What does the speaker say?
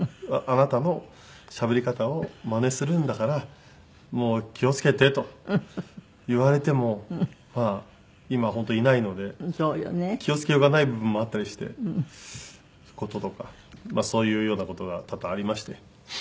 「あなたのしゃべり方をまねするんだから気を付けて」と言われても今本当いないので気を付けようがない部分もあったりして事とかそういうような事が多々ありまして。